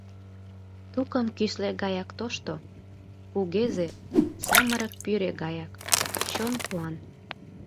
Тукым кӱсле гаяк тошто, кугезе, самырык пӱрӧ гаяк — чон куан.